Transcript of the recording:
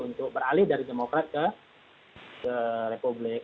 untuk beralih dari demokrat ke republik